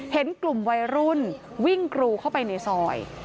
เห็นกลุ่มวัยรุ่นวิ่งกรูเข้าไปในซอย